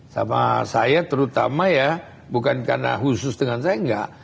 sama saya terutama ya bukan karena khusus dengan saya enggak